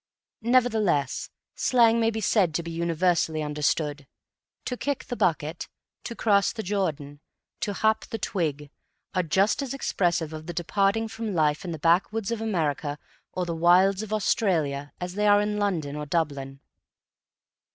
Nevertheless, slang may be said to be universally understood. "To kick the bucket," "to cross the Jordan," "to hop the twig" are just as expressive of the departing from life in the backwoods of America or the wilds of Australia as they are in London or Dublin.